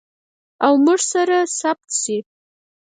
او موږ سره ثبت شي.